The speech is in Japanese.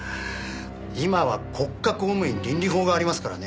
今は国家公務員倫理法がありますからね。